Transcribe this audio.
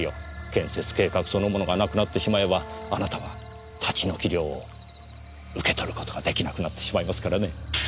建設計画そのものがなくなってしまえばあなたは立ち退き料を受け取ることが出来なくなってしまいますからね。